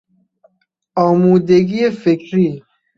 آمودگی فکری